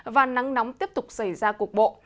và nắng nóng tiếp tục xảy ra cuộc bộ